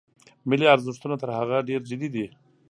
ملي ارزښتونه تر هغه ډېر جدي دي.